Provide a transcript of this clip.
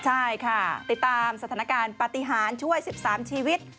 ใช่ค่ะติดตามสถานการณ์ปฏิหารช่วย๑๓ชีวิต